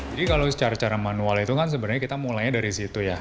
jadi kalau secara manual itu kan sebenarnya kita mulainya dari situ ya